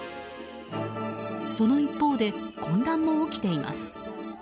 その一方で混乱も起きています。